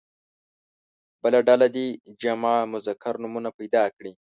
بله ډله دې جمع مذکر نومونه پیدا کړي.